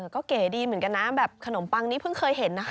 ก็เก๋ดีเหมือนกันนะแบบขนมปังนี้เพิ่งเคยเห็นนะคะ